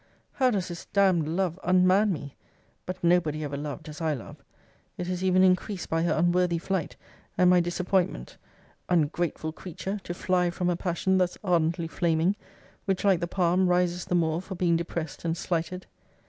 How does this damn'd love unman me! but nobody ever loved as I love! It is even increased by her unworthy flight, and my disappointment. Ungrateful creature, to fly from a passion thus ardently flaming! which, like the palm, rises the more for being depressed and slighted.